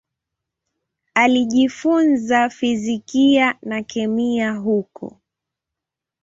Alijifunza fizikia na kemia huko.